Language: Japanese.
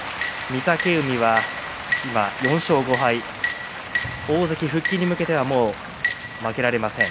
御嶽海は今４勝５敗大関復帰へ向けてはもう負けられません。